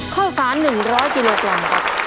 ข้าวสาร๑๐๐กิโลกรัม